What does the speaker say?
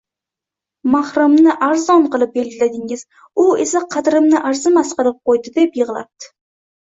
Mahrimni arzon qilib belgiladingiz, u esa qadrimni arzimas qilib qo'ydi, deb yig'labdi